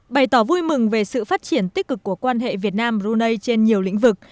bày tỏ vui mừng về sự phát triển tích cực của quan hệ việt nam brunei trên nhiều lĩnh vực